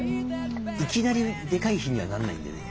いきなりでかい火にはなんないんでね。